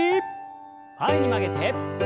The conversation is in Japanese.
前に曲げて。